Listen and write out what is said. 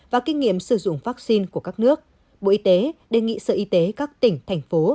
và kinh nghiệm sử dụng vaccine của các nước bộ y tế đề nghị sở y tế các tỉnh thành phố